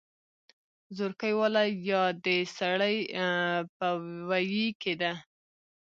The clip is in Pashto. زورکۍ واله يا د سړۍ په ویي کې ده